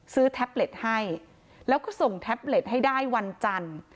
แท็บเล็ตให้แล้วก็ส่งแท็บเล็ตให้ได้วันจันทร์